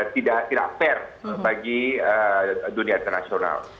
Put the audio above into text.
tidak fair bagi dunia internasional